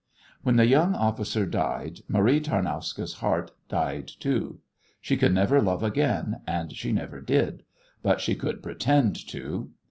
When the young officer died Marie Tarnowska's heart died too. She could never love again, and she never did, but she could pretend to.